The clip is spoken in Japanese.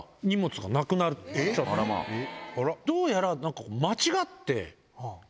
どうやら。